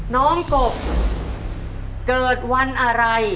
กบเกิดวันอะไร